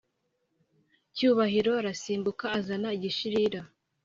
Cyubahiro arasimbuka azana igishirira